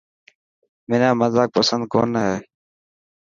منا مزاڪ پسند ڪونه هي.